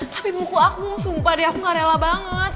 tapi buku aku sumpah di aku gak rela banget